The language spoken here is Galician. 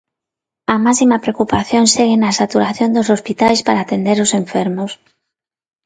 A máxima preocupación segue na saturación dos hospitais para atender os enfermos.